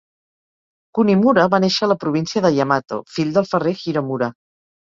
Kunimura va néixer a la província de Yamato fill del ferrer Hiromura.